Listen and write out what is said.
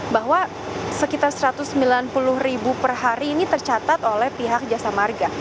bahwa sekitar satu ratus sembilan puluh ribu per hari ini tercatat oleh pihak jasa marga